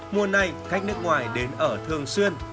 mùa này khách nước ngoài đến ở thường xuyên